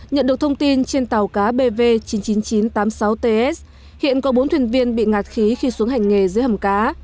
nhận được thông tin trên tàu cá bv chín mươi chín nghìn chín trăm tám mươi sáu ts hiện có bốn thuyền viên bị ngạt khí khi xuống hành nghề dưới hầm cá